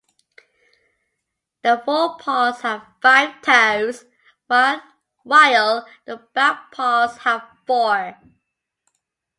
The fore paws have five toes while the back paws have four.